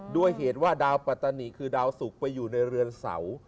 ด้วยเหตุว่าดาวปัตตานีคือดาวสุกไปอยู่ในเรือนเสา